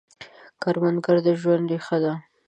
کروندګر د ژوند ریښه ده